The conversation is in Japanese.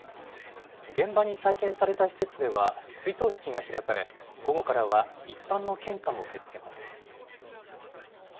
現場に再建された施設では、追悼式が開かれ、午後からは一般の献花も受け付けます。